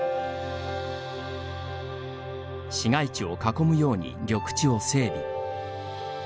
市街地を囲むように緑地を整備。